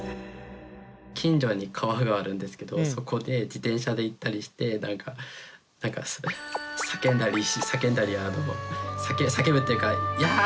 近所に川があるんですけどそこで自転車で行ったりしてなんか叫んだり叫ぶっていうかやってなっちゃったりとか。